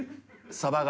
サバが。